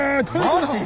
マジ？